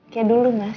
kayak dulu mas